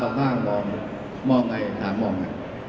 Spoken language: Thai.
มองไงเหรอมองได้หลังตาหล่างมอง